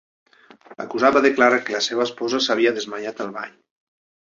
L'acusat va declarar que la seva esposa s'havia desmaiat al bany.